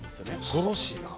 恐ろしいな。